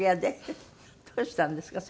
どうしたんですか？